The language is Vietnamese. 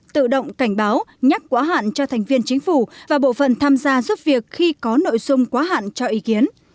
tự động cảnh báo nhắc quá hạn cho thành viên chính phủ và bộ phận tham gia giúp việc khi có nội dung quá hạn cho ý kiến